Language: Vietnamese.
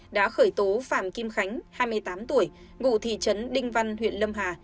đã khởi tố phạm kim khánh hai mươi tám tuổi ngụ thị trấn đinh văn huyện lâm hà